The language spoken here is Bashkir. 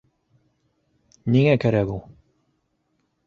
Ниңә кәрәк ул?